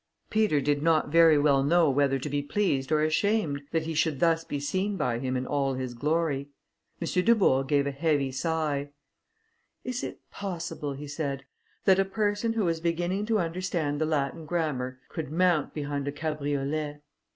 Peter did not very well know whether to be pleased or ashamed, that he should thus be seen by him in all his glory. M. Dubourg gave a heavy sigh: "Is it possible," he said, "that a person who was beginning to understand the Latin grammar could mount behind a cabriolet!"